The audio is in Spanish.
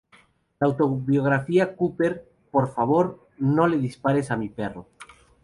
La autobiografía de Cooper "¡Por favor, no le dispares a mi perro!